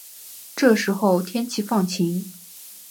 这时候天气放晴